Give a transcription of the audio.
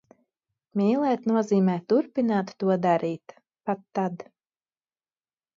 Mīlēt nozīmē turpināt to darīt - pat tad.